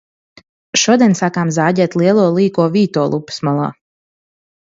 Šodien sākām zāģēt lielo, līko vītolu upes malā.